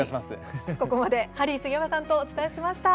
ここまでハリー杉山さんとお伝えしました。